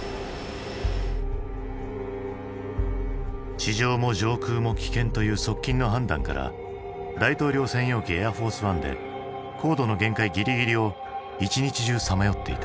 「地上も上空も危険」という側近の判断から大統領専用機エアフォースワンで高度の限界ギリギリを１日中さまよっていた。